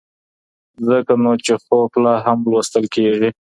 ځکه نو چیخوف لا هم لوستل کېږي.